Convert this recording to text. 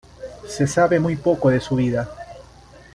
Se sabe muy poco de su vida.